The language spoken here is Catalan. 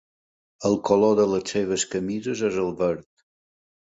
El color de les seves camises és el verd.